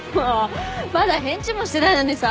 まだ返事もしてないのにさ。